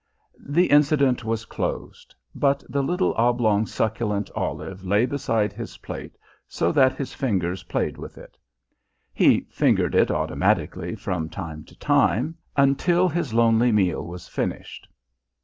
The incident was closed. But the little oblong, succulent olive lay beside his plate, so that his fingers played with it. He fingered it automatically from time to time until his lonely meal was finished.